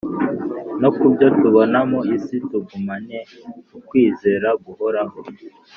Noku byo tubona mu isi tugumane ukwizera guhoraho